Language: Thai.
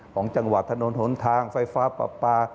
ของจังหวัดถนนหลงทางไฟฟ้าปลา